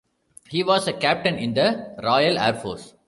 He was a captain in the Royal Air Force.